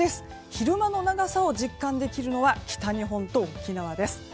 昼間の長さを実感できるのは北日本と沖縄です。